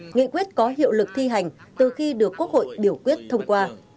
nghị quyết có hiệu lực thi hành từ khi được quốc hội biểu quyết thông qua